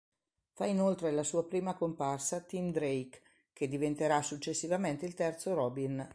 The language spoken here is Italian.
Fa inoltre la sua prima comparsa Tim Drake, che diventerà successivamente il terzo Robin.